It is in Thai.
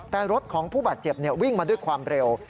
แต่รถของผู้บาดเจ็บวิ่งมาด้วยความเร็ว